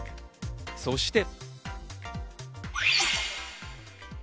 そして。